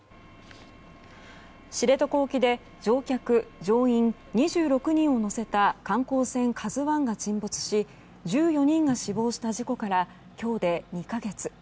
知床沖で乗客・乗員２６人を乗せた観光船「ＫＡＺＵ１」が沈没し１４人が死亡した事故から今日で２か月。